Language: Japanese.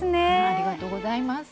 ありがとうございます。